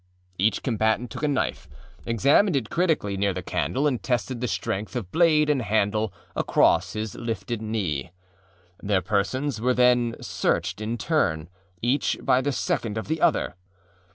Each combatant took a knife, examined it critically near the candle and tested the strength of blade and handle across his lifted knee. Their persons were then searched in turn, each by the second of the other.